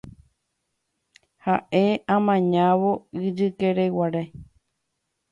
Ha'e amañávo ijykereguáre.